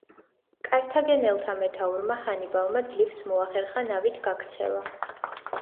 კართაგენელთა მეთაურმა ჰანიბალმა ძლივს მოახერხა ნავით გაქცევა.